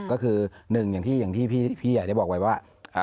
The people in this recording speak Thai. ก็คือหนึ่งอย่างที่พี่ใหญ่ได้บอกไว้ว่า